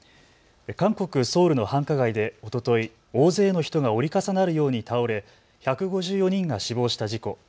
韓国・ソウルの繁華街でおととい大勢の人が折り重なるように倒れ１５４人が死亡した事故。